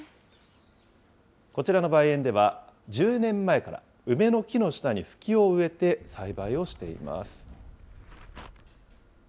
こちらの梅園では、１０年前から梅の木の下にフキを植えて栽培をしています。